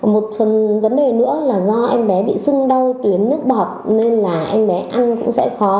một phần vấn đề nữa là do em bé bị sưng đau tuyến nước bọt nên là em bé ăn cũng sẽ khó